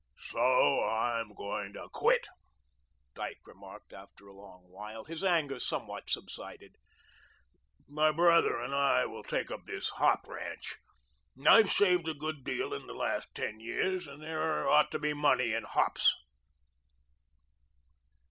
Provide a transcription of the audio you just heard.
"So I'm going to quit," Dyke remarked after a while, his anger somewhat subsided. "My brother and I will take up this hop ranch. I've saved a good deal in the last ten years, and there ought to be money in hops."